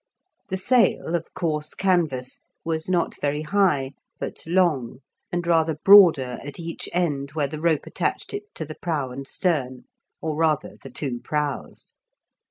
The sail, of coarse canvas, was not very high, but long, and rather broader at each end where the rope attached it to the prow and stern, or, rather, the two prows.